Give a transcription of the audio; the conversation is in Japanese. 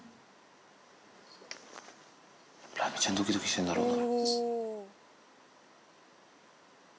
ラミちゃん、どきどきしてるんだろうな。